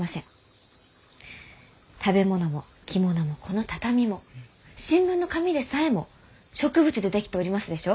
食べ物も着物もこの畳も新聞の紙でさえも植物で出来ておりますでしょう？